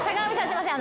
すいません